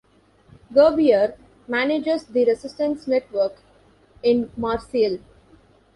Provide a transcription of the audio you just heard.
Gerbier manages the resistance network in Marseille.